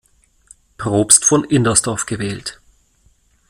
Propst von Indersdorf gewählt.